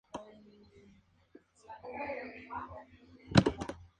Además, un hablante escoge alguna relación de significado en el proceso de unir cláusulas.